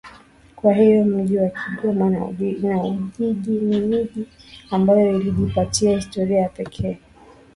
Kwa hiyo mji wa Kigoma na Ujiji ni miji ambayo ilijipatia historia ya pekee